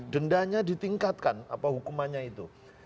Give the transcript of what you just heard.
dendanya ditingkatkan apa hukumannya itu